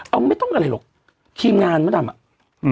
เอาไม่ต้องอะไรหรอกทีมงานมดดำอ่ะ